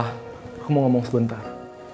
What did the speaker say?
aku mau ngomong sebentar